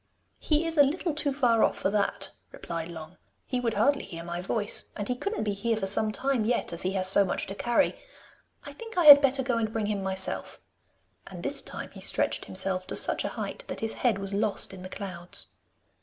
'He is a little too far off for that,' replied Long. 'He would hardly hear my voice, and he couldn't be here for some time yet, as he has so much to carry. I think I had better go and bring him myself,' and this time he stretched himself to such a height that his head was lost in the clouds.